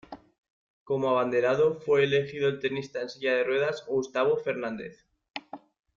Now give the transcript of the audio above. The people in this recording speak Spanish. Como abanderado fue elegido el tenista en silla de ruedas Gustavo Fernández.